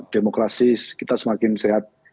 demokrasi kita semakin sehat